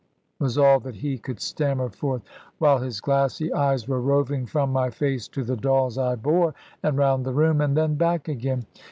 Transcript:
was all that he could stammer forth, while his glassy eyes were roving from my face to the dolls I bore, and round the room, and then back again.